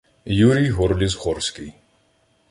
Юрій ГОРЛІС-ГОРСЬКИЙ